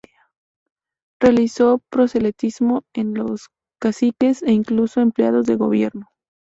Realizó proselitismo entre los caciques e incluso empleados de gobierno.